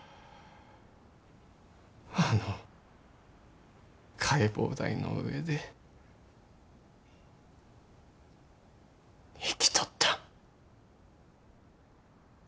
あの解剖台の上で生きとった。